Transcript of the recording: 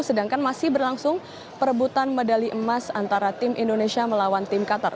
sedangkan masih berlangsung perebutan medali emas antara tim indonesia melawan tim qatar